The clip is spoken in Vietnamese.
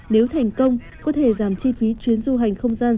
nếu thành công có thể giảm chi phí chuyến du hành không gian